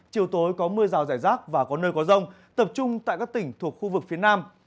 chiều tối có mưa rào rải rác và có nơi có rông tập trung tại các tỉnh thuộc khu vực phía nam